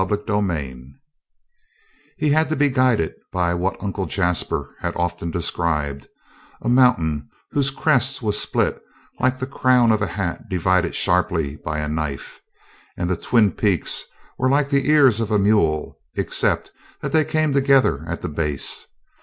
CHAPTER 19 He had to be guided by what Uncle Jasper had often described a mountain whose crest was split like the crown of a hat divided sharply by a knife, and the twin peaks were like the ears of a mule, except that they came together at the base.